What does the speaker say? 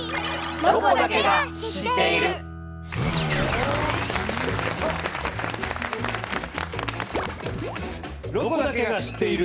「ロコだけが知っている」。